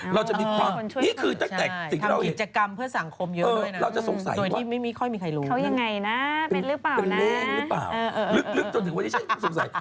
เป็นเล่งหรือเปล่าลึกจนถึงวันนี้ฉันสงสัย